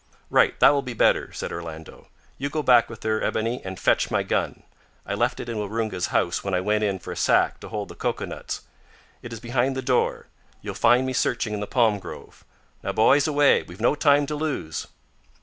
"Right, that will be better," said Orlando. "You go back with her, Ebony, and fetch my gun. I left it in Waroonga's house when I went in for a sack to hold the cocoa nuts. It is behind the door. You'll find me searching in the palm grove. Now, boys, away; we've no time to lose."